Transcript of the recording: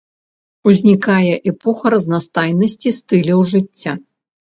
Узнікае эпоха разнастайнасці стыляў жыцця.